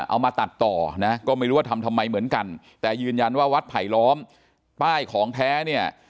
เอามาตัดต่อนะก็ไม่รู้ว่าทำทำไมเหมือนกันแต่ยืนยันว่าวัดไผลล้อมป้ายของแท้เนี่ย